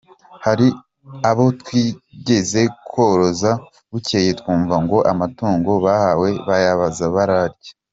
Hari abo twigeze koroza, bukeye twumva ngo amatungo bahawe bayabaze bararya.